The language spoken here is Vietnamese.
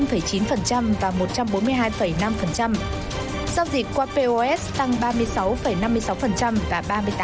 giao dịch qua pos tăng ba mươi sáu năm mươi sáu và ba mươi tám sáu mươi chín